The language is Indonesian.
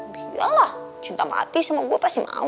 biarlah cinta mati sama gue pasti mau